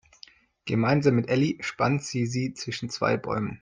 Gemeinsam mit Elli spannt sie sie zwischen zwei Bäumen.